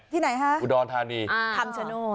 ไหนฮะอุดรธานีคำชโนธ